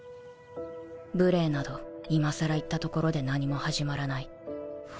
無礼など今更言ったところで何も始まらない